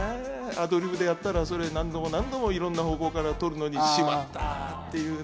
アドリブでやったら、それを何度も何度もいろんな方向で撮るときに、しまったなぁって。